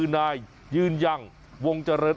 นายยืนยังวงเจริญ